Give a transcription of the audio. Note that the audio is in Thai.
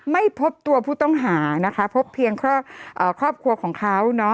ไม่พบตัวผู้ต้องหานะคะพบเพียงครอบครัวของเขา